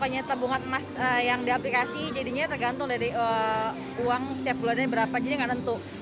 biasanya kayak tergantung sih karena aku sukanya tabungan emas yang di aplikasi jadinya tergantung dari uang setiap bulan berapa jadi nggak tentu